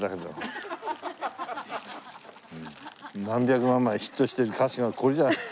何百万枚ヒットしてる歌手がこれじゃあ。